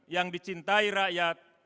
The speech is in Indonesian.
yang dicintai rakyat